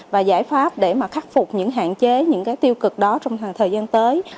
và giải pháp để mà khắc phục những hạn chế những cái tiêu cực đó trong thời gian tới